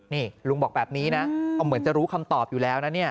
นี่ลุงบอกแบบนี้นะก็เหมือนจะรู้คำตอบอยู่แล้วนะเนี่ย